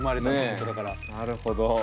なるほど。